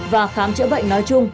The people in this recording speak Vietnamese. và khám chữa bệnh nói chung